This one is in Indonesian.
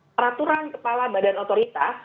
peraturan kepala badan otorita